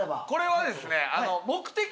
これはですね。